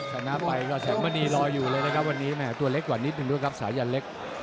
ชนะไปก็แสงมณีรออยู่เลยนะครับวันนี้แม่ตัวเล็กกว่านิดนึงด้วยครับสายันเล็ก